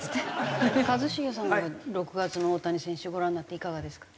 一茂さんは６月の大谷選手をご覧になっていかがですか？